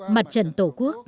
mặt trận tổ quốc khẳng định